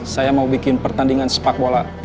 saya mau bikin pertandingan sepak bola